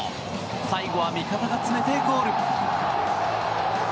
最後は味方が詰めてゴール。